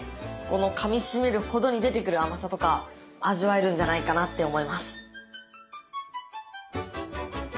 このかみしめるほどに出てくる甘さとか味わえるんじゃないかなって思います。